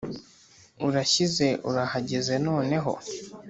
urashyize urageze noneho